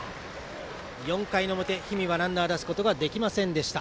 ４回の表、氷見はランナー出すことができませんでした。